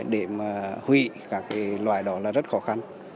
để mà hủy các loại đó là rất khó khăn